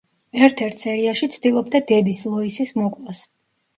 ერთ-ერთ სერიაში ცდილობდა დედის, ლოისის მოკვლას.